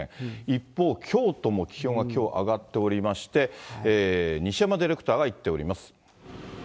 一方、京都も気温がきょう、上がっておりまして、西山ディレクターが行っております。